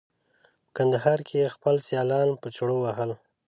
په کندهار کې یې خپل سیالان په چړو وهل.